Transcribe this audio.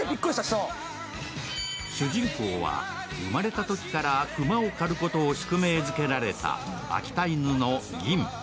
主人公は生まれたときから熊を狩ることを宿命づけられた秋田犬の銀。